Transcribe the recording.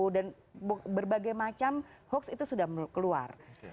dan berbagai macam hoax itu sudah keluar